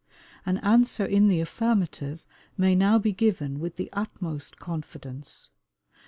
An answer in the affirmative may now be given with the utmost confidence.